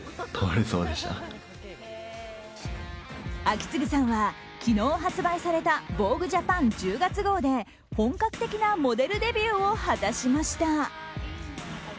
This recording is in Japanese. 章胤さんは、昨日発売された「ＶＯＧＵＥＪＡＰＡＮ」１０月号で本格的なモデルデビューを果たしました。